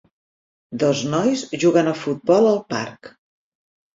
Dos nois juguen a futbol al parc.